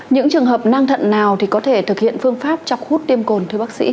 những trường hợp nang thận nào thì có thể thực hiện phương pháp chọc hút tiêm cồn thưa bác sĩ